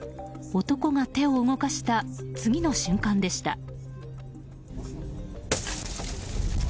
男が手を動かした次の瞬間でした。